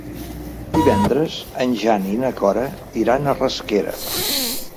Divendres en Jan i na Cora iran a Rasquera.